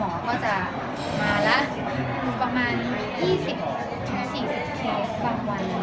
ก็จะมาละประมาณ๒๐๔๐เคสบางวัน